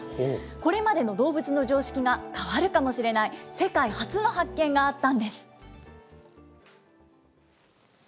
これまでの動物の常識が変わるかもしれない、世界初の発見があったんです。